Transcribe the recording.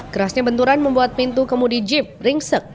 kerasnya benturan membuat pintu kemudi jeep ringsek